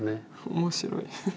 面白い。